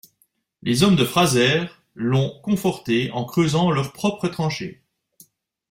Les hommes de Frazer l'ont confortée en creusant leurs propres tranchées.